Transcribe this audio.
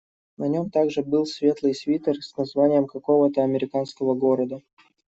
На нём также был светлый свитер с названием какого-то американского города.